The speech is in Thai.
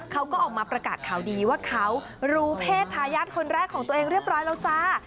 เขาก็ออกมาประกาศข่าวดีว่าเขารู้เพศทายาทคนแรกของตัวเองเรียบร้อยแล้วจ้า